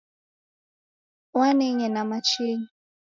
Waneng'ena machini